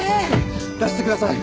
出してください。